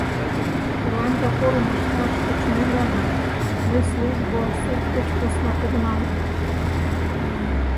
Тыланда порым ышташ тӧчымемланак мый службо, сурт деч посна кодынам...